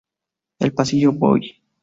El pasillo 'boy'!